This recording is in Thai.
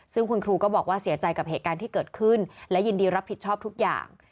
ซึ่งคุณครูก็บอกว่าเสียใจกับเหตุการณ์ที่เกิดขึ้นและยินดีรับผิดชอบทุกอย่าง